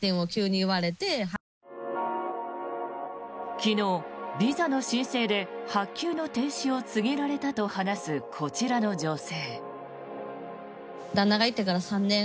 昨日、ビザの申請で発給の停止を告げられたと話すこちらの女性。